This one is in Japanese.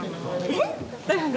えっ⁉